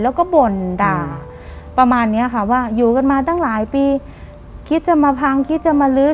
แล้วก็บ่นด่าประมาณเนี้ยค่ะว่าอยู่กันมาตั้งหลายปีคิดจะมาพังคิดจะมาลื้อ